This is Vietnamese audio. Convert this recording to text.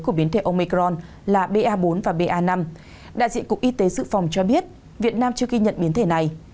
của biến thể omecron là ba bốn và ba năm đại diện cục y tế sự phòng cho biết việt nam chưa ghi nhận biến thể này